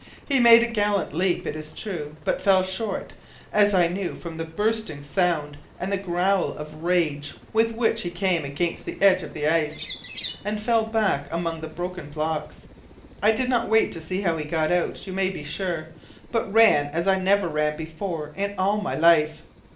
He made a gallant leap, it is true, but fell short, as I knew from the bursting sound and the growl of rage with which he came against the edge of the ice, and fell back among the broken blocks. I did not wait to see how he got out, you may be sure, but ran as I never ran before in all my life!